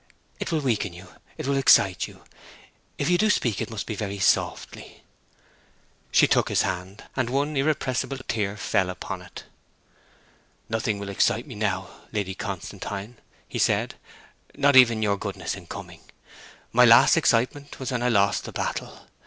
'It will weaken you; it will excite you. If you do speak, it must be very softly.' She took his hand, and one irrepressible tear fell upon it. 'Nothing will excite me now, Lady Constantine,' he said; 'not even your goodness in coming. My last excitement was when I lost the battle. ...